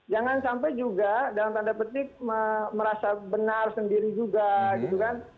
jangan sampai juga dalam tanda petik merasa benar sendiri juga gitu kan